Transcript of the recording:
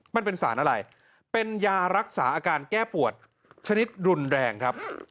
มันเป็นสารอะไรเป็นยารักษาอาการแก้ปวดชนิดรุนแรงครับ